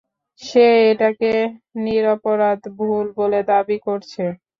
সে এটাকে নিরপরাধ ভুল বলে দাবি করছে।